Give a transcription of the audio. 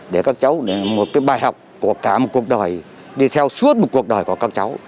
để các cháu một cái bài học cuộc thả một cuộc đời đi theo suốt một cuộc đời của các cháu